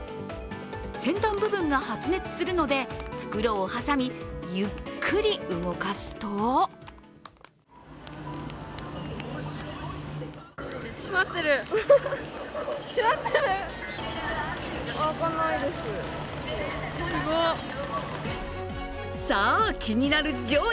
先端部分が発熱するので袋を挟み、ゆっくり動かすとさあ、気になる上位。